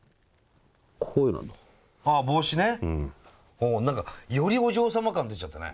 おお何かよりお嬢様感出ちゃったね。